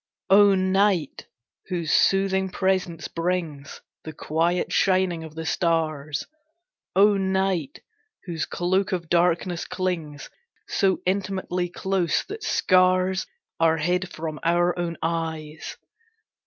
O Night! Whose soothing presence brings The quiet shining of the stars. O Night! Whose cloak of darkness clings So intimately close that scars Are hid from our own eyes.